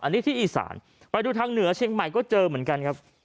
อันนี้ที่อีสานไปดูทางเหนือเชียงใหม่ก็เจอเหมือนกันครับ